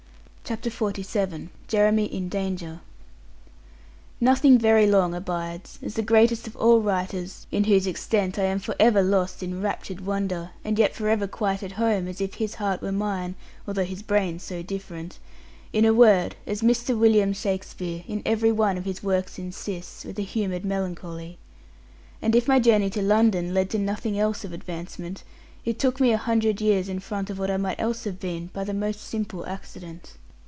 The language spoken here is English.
CHAPTER XLVII JEREMY IN DANGER Nothing very long abides, as the greatest of all writers (in whose extent I am for ever lost in raptured wonder, and yet for ever quite at home, as if his heart were mine, although his brains so different), in a word as Mr. William Shakespeare, in every one of his works insists, with a humoured melancholy. And if my journey to London led to nothing else of advancement, it took me a hundred years in front of what I might else have been, by the most simple accident.